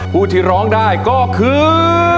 ผู้ที่ร้องได้ก็คือ